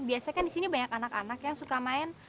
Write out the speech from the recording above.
biasanya kan disini banyak anak anak yang suka main